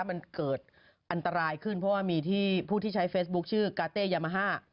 มันเกิดอันตรายขึ้นเพราะว่ามีที่ผู้ที่ใช้เฟซบุ๊คชื่อกาเต้ยามาฮ่า